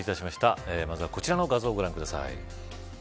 まずは、こちらの画像をご覧ください。